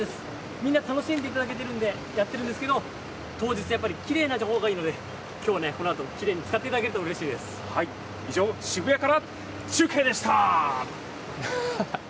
みんな楽しんでいただけてるんで、やってるんですけど、当日きれいなほうがいいので、きょうはね、このあと、きれいに使以上、渋谷から中継でした。